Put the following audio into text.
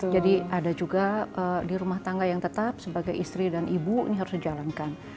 jadi ada juga di rumah tangga yang tetap sebagai istri dan ibu ini harus dijalankan